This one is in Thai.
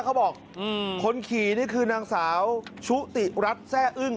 เขาบอกคนขี่นี่คือนางสาวชุติรัฐแซ่อึ้ง